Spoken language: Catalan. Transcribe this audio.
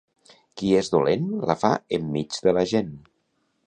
Qui és dolent la fa enmig de la gent.